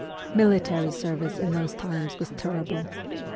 CHILDHOOD 63 Military service in those times was terrible.